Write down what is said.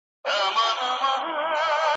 زما په غزل کي لکه شمع هره شپه لګېږې ,